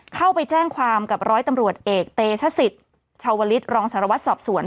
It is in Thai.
เข้าไปแจ้งความกับร้อยตำรวจเอกเตชศิษย์ชาวลิศรองสารวัตรสอบสวน